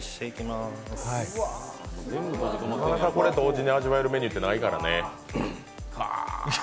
なかなかこれ、同時に味わえるメニューってないからね。